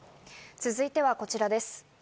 続いてはこちらです。